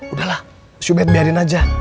udahlah si ubed biarin aja